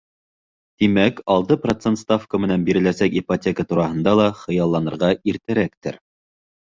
Тимәк, алты процент ставка менән биреләсәк ипотека тураһында ла хыялланырға иртәрәктер.